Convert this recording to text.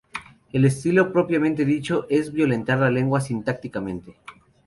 El estilo propiamente dicho, es violentar la lengua sintácticamente.